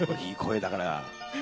いい声だから。